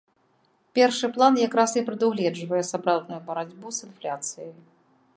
Першы план якраз і прадугледжвае сапраўдную барацьбу з інфляцыяй.